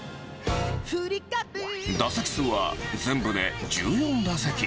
打席数は全部で１４打席。